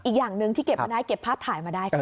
อีกอย่างหนึ่งที่เก็บมาได้เก็บภาพถ่ายมาได้ค่ะ